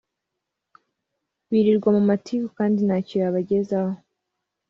birirwa mu matiku ,kandi ntacyo yabagezaho